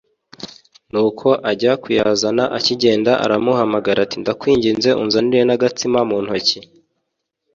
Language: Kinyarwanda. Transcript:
Nuko ajya kuyazana Akigenda aramuhamagara ati Ndakwinginze unzanire nagatsima mu ntoki